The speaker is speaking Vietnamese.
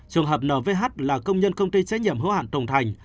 trường hợp nvh là công nhân công ty trách nhiệm hữu hạn thồng thành